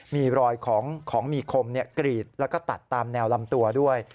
มีรอยของมีคมกรีดแล้วก็ตัดตามแนวลำตัวด้วย